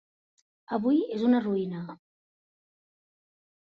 Avui és una ruïna.